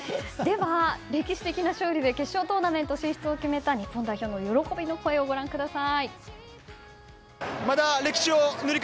歴史的な勝利で決勝トーナメント進出を決めた日本代表の喜びの声をご覧ください。